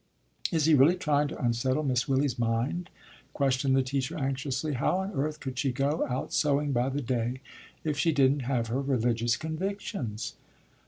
"Is he really trying to unsettle Miss Willy's mind?" questioned the teacher anxiously. "How on earth could she go out sewing by the day if she didn't have her religious convictions?"